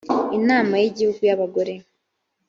inama y’’ igihugu y’ abagore